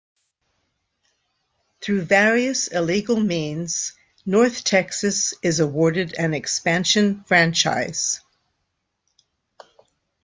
Through various illegal means, North Texas is awarded an expansion franchise.